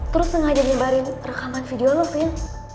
terus sengaja nyebarin rekaman video lu vin